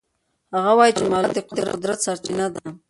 هغه وایي چې معلومات د قدرت سرچینه ده.